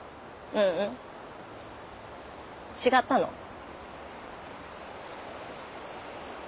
ううん違ったの。